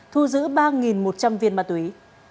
thu giữ ba một trăm linh viên ma túy